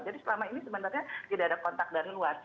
jadi selama ini sebenarnya tidak ada kontak dari luar